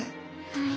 はい。